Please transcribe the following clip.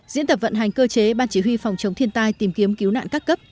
diễn tập vận hành cơ chế ban chỉ huy phòng chống thiên tai tìm kiếm cứu nạn các cấp